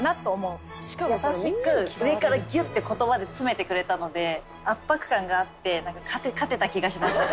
優しく上からギュッて言葉で詰めてくれたので圧迫感があって勝てた気がしました